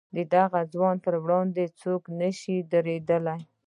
د دغه ځواک پر وړاندې څوک نه شي درېدلای.